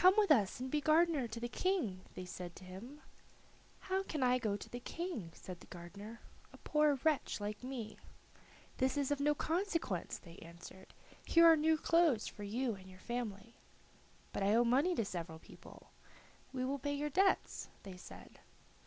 "Come with us and be gardener to the King," they said to him. "How can I go to the King," said the gardener, "a poor wretch like me?" "That is of no consequence," they answered. "Here are new clothes for you and your family." "But I owe money to several people." "We will pay your debts," they said.